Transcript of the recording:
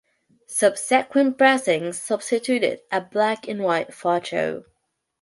Subsequent pressings substituted a black and white photo.